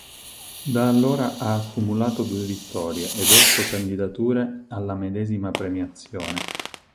Da allora ha accumulato due vittorie ed otto candidature alla medesima premiazione.